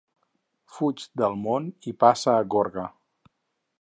Fuig del món i passa a Gorga.